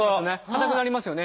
硬くなりますよね。